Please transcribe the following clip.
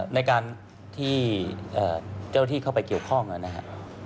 ในการที่เจ้าที่เข้าไปเกี่ยวข้องนะครับ